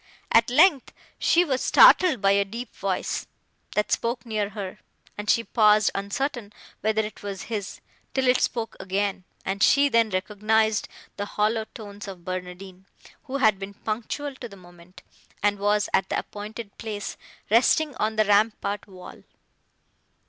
At length, she was startled by a deep voice, that spoke near her, and she paused, uncertain whether it was his, till it spoke again, and she then recognised the hollow tones of Barnardine, who had been punctual to the moment, and was at the appointed place, resting on the rampart wall.